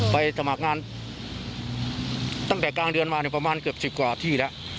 สมัครงานตั้งแต่กลางเดือนมาเนี่ยประมาณเกือบ๑๐กว่าที่แล้ว